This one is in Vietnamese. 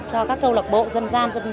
cho các câu lạc bộ dân gian